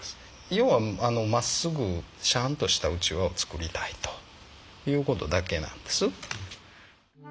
要はまっすぐしゃんとしたうちわを作りたいという事だけなんです。